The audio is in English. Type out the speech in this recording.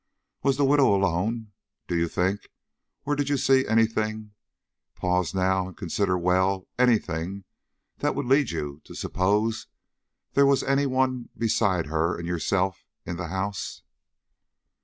Was the widow alone, do you think, or did you see any thing pause now and consider well any thing that would lead you to suppose there was any one beside her and yourself in the house?"